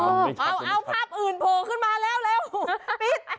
อ๋อมันอยู่ในท่อเอาเอาภาพอื่นโผล่ขึ้นมาแล้วเร็วปิ๊ด